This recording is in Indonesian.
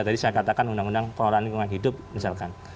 tadi saya katakan undang undang pengelolaan lingkungan hidup misalkan